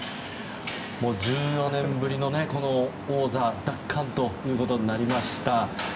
１４年ぶりの王座奪還となりました。